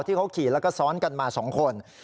ที่เขาขี่แล้วก็ซ้อนกันมา๒คน